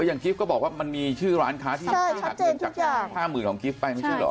อย่างกิฟต์ก็บอกว่ามันมีชื่อร้านค้าที่เขาหักเงินจาก๕๐๐๐ของกิฟต์ไปไม่ใช่เหรอ